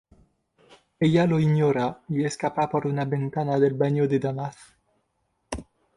Ella lo ignora y escapa por una ventana del baño de damas.